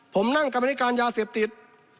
ผมนั่งกรรมนิการยาเสพติด